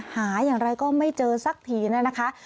หาอย่างไรก็ไม่เจอสักทีนะคะ